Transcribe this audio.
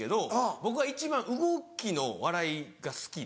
僕は一番動きの笑いが好きで。